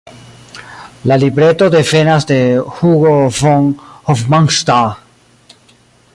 La libreto devenas de Hugo von Hofmannsthal.